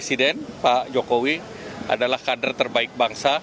presiden pak jokowi adalah kader terbaik bangsa